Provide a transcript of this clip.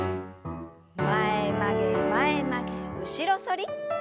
前曲げ前曲げ後ろ反り。